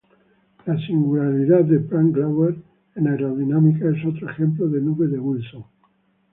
La singularidad Prandtl-Glauert en aerodinámicas es otro ejemplo de nube de Wilson.